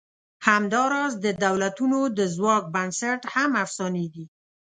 همدا راز د دولتونو د ځواک بنسټ هم افسانې دي.